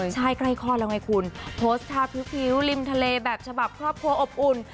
ใช่ใกล้คลอดแล้วไงคุณโพสต์ภาพพิวริมทะเลแบบฉบับครอบครัวอบอุ่น